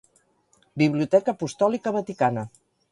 Biblioteca Apostòlica Vaticana.